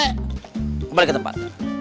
kembali ke tempat